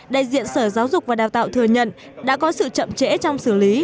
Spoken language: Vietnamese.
đại diện sở giáo dục và đào tạo thừa nhận đã có sự chậm trễ trong xử lý